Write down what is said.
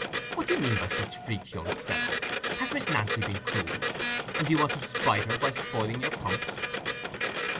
What do you mean by such freaks, young fellow? Has Miss Nancy been cruel, and do you want to spite her by spoiling your pumps?"